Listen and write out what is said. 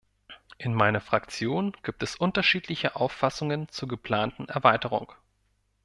In meiner Fraktion gibt es unterschiedliche Auffassungen zur geplanten Erweiterung.